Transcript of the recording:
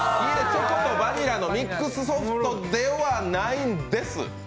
チョコとバニラのミックスソフトではないんです。